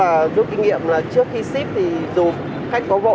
anh gọi cái gì đây ạ